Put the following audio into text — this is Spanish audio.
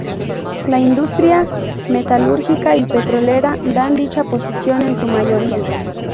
La industria metalúrgica y petrolera dan dicha posición en su mayoría.